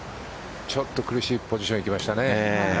ちょっと苦しいポジションにいきましたね。